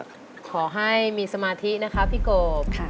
ขอให้มีสมาธินะคะพี่กบ